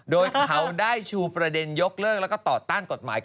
โดยเขาได้ชูประเด็นยกเลิกแล้วก็ต่อต้านกฎหมาย